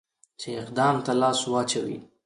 چې اقدام ته لاس واچوي.